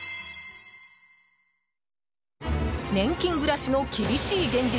年金暮らしの厳しい現実。